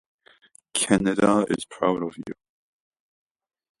Canada is proud of you.